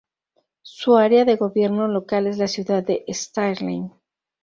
Su área de Gobierno Local es la ciudad de Stirling.